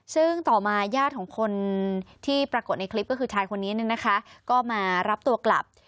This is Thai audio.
ซึ่งต่อมาญาติของคนที่ปรากฏในคลิปก็คือชายคนนี้นะคะก็มารับตัวกลับ